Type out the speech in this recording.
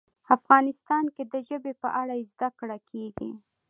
افغانستان کې د ژبې په اړه زده کړه کېږي.